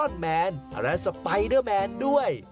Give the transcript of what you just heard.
ยอดมนุษย์ที่ปราบเหล่าร้ายอย่างไอรอลแมนและสไปเดอร์แมนด้วย